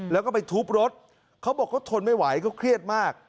แล้วก็ไปทุบรถเขาบอกเขาทนไม่ไหวเขาเครียดมาก